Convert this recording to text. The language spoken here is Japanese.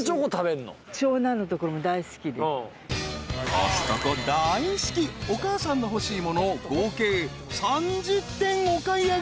［コストコ大好きお母さんの欲しいものを合計３０点お買い上げ］